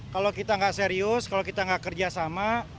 kalau kita nggak serius kalau kita nggak kerjasama